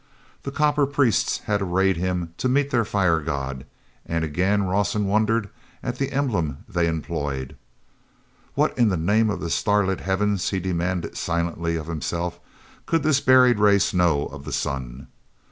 The copper priests had arrayed him to meet their fire god, and again Rawson wondered at the emblem they employed. "What in the name of the starlit heavens," he demanded silently of himself, "could this buried race know of the sun?"